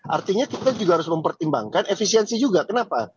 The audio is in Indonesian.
artinya kita juga harus mempertimbangkan efisiensi juga kenapa